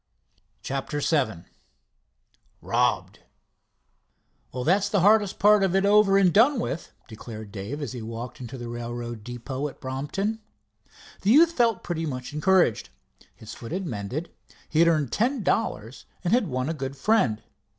CHAPTER VII ROBBED "Well that's the hardest part of it over and done with," declared Dave, as he walked into the railroad depot at Brompton. The youth felt pretty much encouraged. His foot had mended, he had earned ten dollars, and had won a good friend.